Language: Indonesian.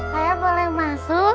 saya boleh masuk